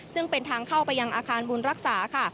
ซึ่งเป็นทางเข้าไปยังอาคารบุญรักษาค่ะ